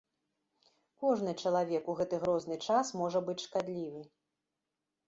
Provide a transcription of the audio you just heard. Кожны чалавек у гэты грозны час можа быць шкадлівы.